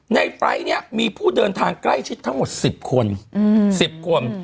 ไฟล์ทนี้มีผู้เดินทางใกล้ชิดทั้งหมด๑๐คน๑๐คน